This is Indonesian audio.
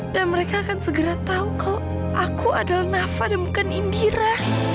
dan mereka akan segera tahu kalau aku adalah nafa dan bukan indira